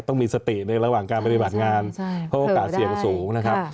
ต้องมีสติในระหว่างการปฏิบัติงานเพราะโอกาสเสี่ยงสูงนะครับ